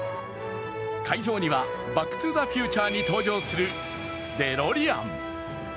会場には「バック・トゥ・ザ・フューチャー」に登場するデロリアン。